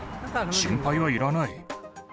心配はいらない。